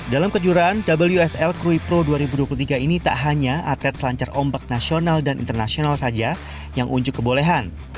dalam kejuaraan wsl krui pro dua ribu dua puluh tiga ini tak hanya atlet selancar ombak nasional dan internasional saja yang unjuk kebolehan